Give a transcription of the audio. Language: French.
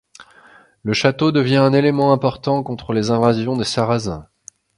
Le château devient un élément important contre les invasions des Sarrasins.